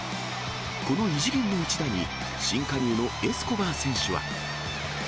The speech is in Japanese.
この異次元の一打に、新加入のエスコバー選手は。